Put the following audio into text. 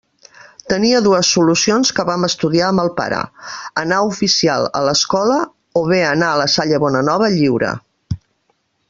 Tenia dues solucions que vam estudiar amb el pare: anar oficial a l'Escola o bé anar a la Salle Bonanova lliure.